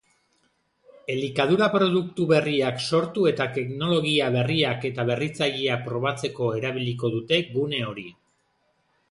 Elikadura-produktu berriak sortu eta teknologia berriak eta berritzaileak probatzeko erabiliko dute gune hori.